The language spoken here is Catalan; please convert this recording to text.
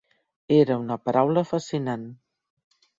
Era una paraula fascinant.